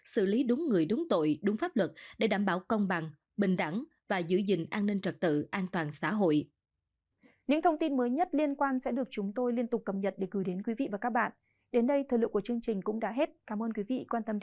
xử lý đúng người đúng tội đúng pháp luật để đảm bảo công bằng bình đẳng và giữ gìn an ninh trật tự an toàn xã hội